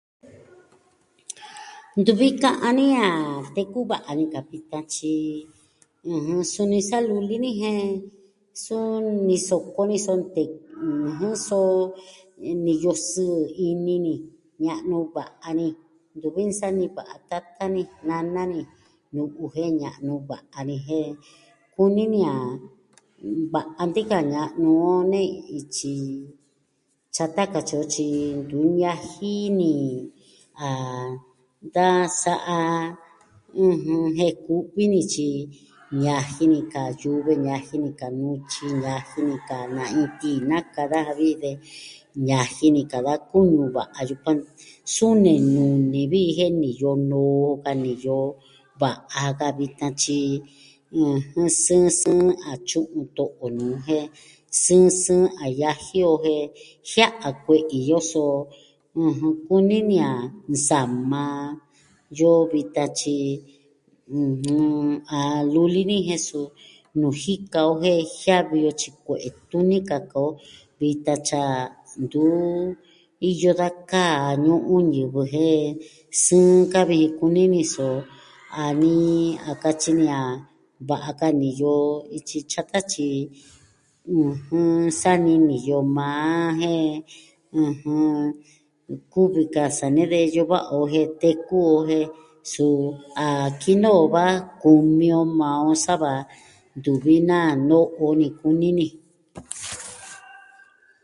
Ntuvi ka'an ni a teku va'a ni ka vitan. Tyi, ɨjɨn, suni sa luli ni jen suu ni soko ni so nte... ɨjɨn... so, niyo sɨɨ ini ni. Ña'nu va'a ni. Ntuvi nsa'a ni va'a tata ni, nana ni, nuku jen ña'nu va'a ni jen... kuni ni a nva'a ntika ña'nu on nee ityi tyata katyi o. Tyi ntu ñaji ni a da sa'a, ɨjɨn, jen ku'vi ni, tyi ñaji ni ka yuve, ñaji ni ka yutyi, ñaji ni na'in tii na ka daja vi. De ñaji ni ka da kunuva a yukuan. Suni nuu ni jen niyo noo ka, niyo va'a ka vitan, tyi, ɨjɨn, sɨɨn sɨɨn a tyu'un to'o nuu. Jen sɨɨn sɨɨn a yaji o. Jen, jia'a kue'i yoso. ɨjɨn, kuni ni a nsama yoo vitan. Tyi, ɨjɨn, a luli ni, jen suu, nuu jika o. Jen jiavi o tyio kue'e tuni kaka o vitan. Tyi a ntu iyo da kaa ñu'un ñivɨ jen sɨɨn ka vi kuni ni. So, a nii... a katyi ni a va'a ka niyo ityi tyata, tyi, ɨjɨn sa ni niyo maa, jen, ɨjɨn. Kuvi ka sa nee de iyo va'a o jen teku o jen, suu a kinoo va kumi o maa on, sava ntuvi naa no'o ni kuni ni.